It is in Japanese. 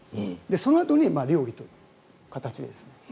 そのあとに料理という形です。